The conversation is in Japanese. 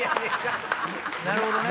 なるほどね。